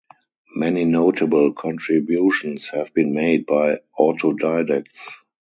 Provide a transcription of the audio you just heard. Many notable contributions have been made by autodidacts.